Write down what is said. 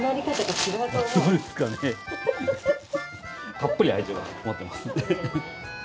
たっぷり愛情がこもってます。